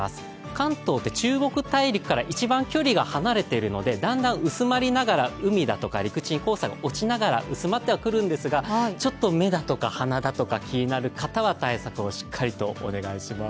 関東って中国大陸から一番距離が離れているので、だんだん薄まりながら海だとか陸地に黄砂が落ちながら薄まってはくるんですがちょっと目だとか鼻だとか気になる方は対策をお願いします。